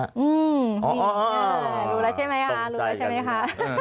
รู้แล้วใช่ไหมคะรู้แล้วใช่ไหมคะ